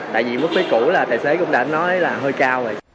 tại vì mức phí cũ là tài xế cũng đã nói là hơi cao rồi